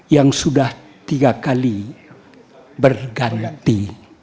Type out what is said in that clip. yang sudah tiga kali berganti